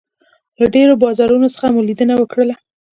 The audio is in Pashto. له ډېرو بازارونو څخه مو لیدنه وکړله.